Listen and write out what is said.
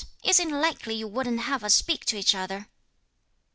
Is it likely you wouldn't have us speak to each other?"